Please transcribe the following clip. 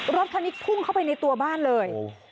รถคันนี้พุ่งเข้าไปในตัวบ้านเลย